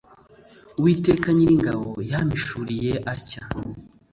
Uwiteka Nyiringabo yampishuriye atya